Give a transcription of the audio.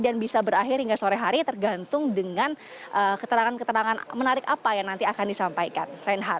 dan bisa berakhir hingga sore hari tergantung dengan keterangan keterangan menarik apa yang nanti akan disampaikan